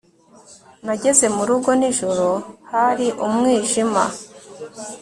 nageze mu rugo nijoro, hari umwijima